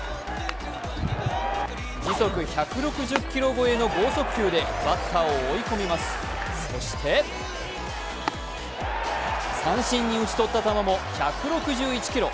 時速１６０キロ超えの剛速球でバッターを追い込みます、そして三振に打ち取った球も１６１キロ。